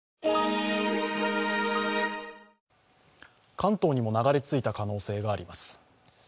関東にも流れ着いた可能性があります。